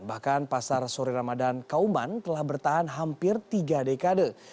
bahkan pasar sore ramadan kauman telah bertahan hampir tiga dekade